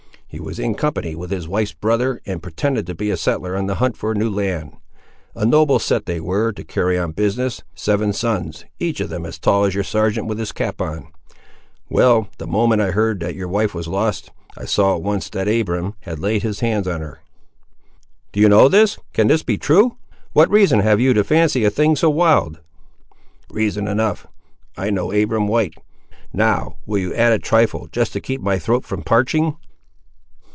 He was in company with his wife's brother, and pretended to be a settler on the hunt for new land. A noble set they were, to carry on business—seven sons, each of them as tall as your sergeant with his cap on. Well, the moment I heard that your wife was lost, I saw at once that Abiram had laid his hands on her." "Do you know this—can this be true? What reason have you to fancy a thing so wild?" "Reason enough; I know Abiram White. Now, will you add a trifle just to keep my throat from parching?"